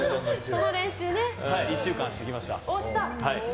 １週間してきました。